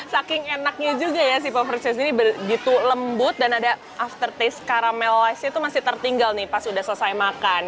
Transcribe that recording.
saking enaknya juga ya si puffer cheese ini begitu lembut dan ada aftertaste karamelized nya itu masih tertinggal nih pas udah selesai makan